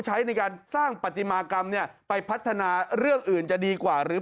ใช้ในการสร้างปฏิมากรรมเนี่ยไปพัฒนาเรื่องอื่นจะดีกว่าหรือ